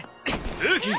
ルーキー！